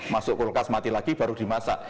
masuk kulkas mati lagi baru dimasak